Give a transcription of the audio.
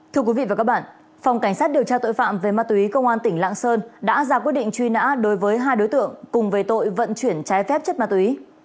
thưa quý vị và các bạn phòng cảnh sát điều tra tội phạm về ma túy công an tỉnh lạng sơn đã ra quyết định truy nã đối với hai đối tượng cùng về tội vận chuyển trái phép chất ma túy